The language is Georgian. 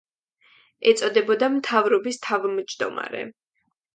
ეწოდებოდა მთავრობის თავმჯდომარე.